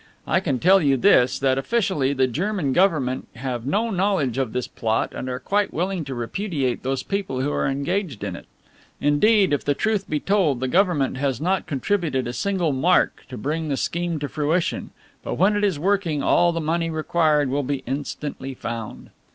I can tell you this, that officially the German Government have no knowledge of this plot and are quite willing to repudiate those people who are engaged in it. Indeed, if the truth be told, the Government has not contributed a single mark to bring the scheme to fruition, but when it is working all the money required will be instantly found.